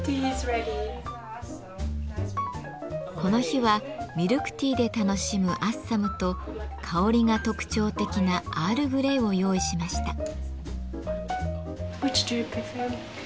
この日はミルクティーで楽しむアッサムと香りが特徴的なアールグレイを用意しました。